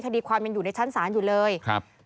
คดีความยังอยู่ในชั้นศาลอยู่เลยครับ